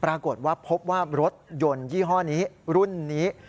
ปรากฏว่าพบว่ารถยนต์ยี่ห้อนี้รุ่นนี้